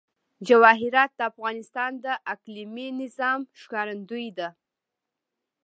جواهرات د افغانستان د اقلیمي نظام ښکارندوی ده.